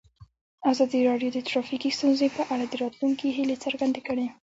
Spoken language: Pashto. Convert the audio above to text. ازادي راډیو د ټرافیکي ستونزې په اړه د راتلونکي هیلې څرګندې کړې.